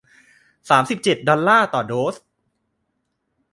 สามสิบเจ็ด ดอลลาร์ต่อโดส